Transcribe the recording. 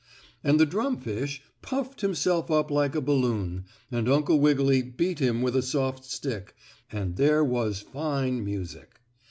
And the drum fish puffed himself up like a balloon, and Uncle Wiggily beat him with a soft stick, and there was fine music.